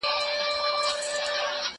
چي چاره د دې قاتل وکړي پخپله